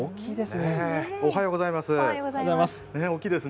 おはようございます。